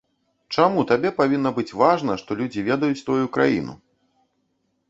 Чаму табе павінна быць важна, што людзі ведаюць тваю краіну?